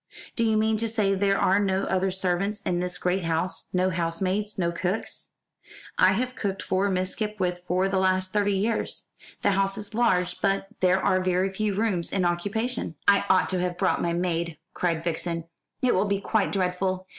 "Do you mean to say there are no other servants in this great house no housemaids, no cooks?" "I have cooked for Miss Skipwith for the last thirty years. The house is large, but there are very few rooms in occupation." "I ought to have brought my maid," cried Vixen. "It will be quite dreadful.